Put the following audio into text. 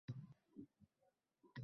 U — yorug’ dunyoda Tengi yo’q inson